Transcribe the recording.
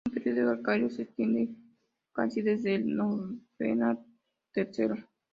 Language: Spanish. Un período arcaico se extiende casi desde el novena-tercero.